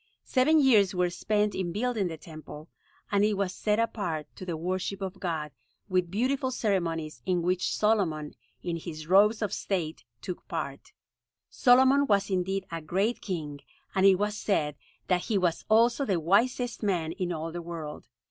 Seven years were spent in building the Temple, and it was set apart to the worship of God with beautiful ceremonies in which Solomon, in his robes of state, took part. [Illustration: Supposed form of Solomon's temple] Solomon was indeed a great king, and it was said that he was also the wisest man in all the world.